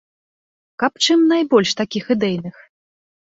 Каб чым найбольш такіх ідэйных!